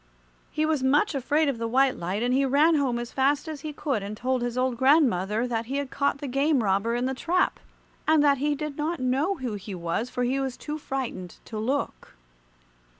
He was much afraid of the white light, and he ran home as fast as he could and told his old grandmother that he had caught the game robber in the trap, and that he did not know who he was, for he was too frightened to look.